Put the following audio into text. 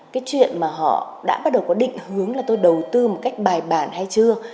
cái chuyện mà họ đã bắt đầu có định hướng là tôi đầu tư một cách bài bản hay chưa